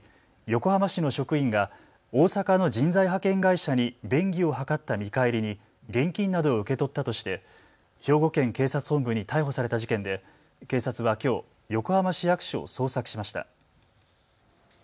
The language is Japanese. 横浜市の職員が大阪の人材派遣会社に便宜を図った見返りに現金などを受け取ったとして兵庫県警察本部に逮捕された事件で警察はきょう横浜市役所を捜索しました。